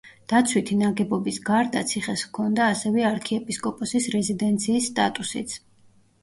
დაცვითი ნაგებობის გარდა ციხეს ჰქონდა, ასევე, არქიეპისკოპოსის რეზიდენციის სტატუსიც.